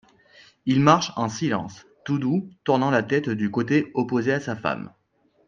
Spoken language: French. Ils marchent en silence, Toudoux tournant la tête du côté opposé à sa femme.